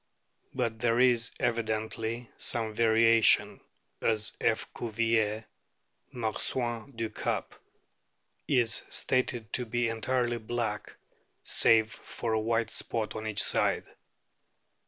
But there is evidently some variation, as F. Cuvier's " Marsouin du Cap "t is stated to be entirely black save for a white spot on each side.